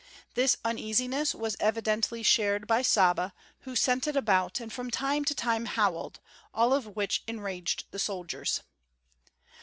This uneasiness was evidently shared by Saba, who scented about and from time to time howled, all of which enraged the soldiers.